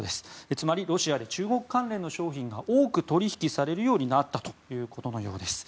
つまりロシアで中国関連の商品が多く取引されるようになったということのようです。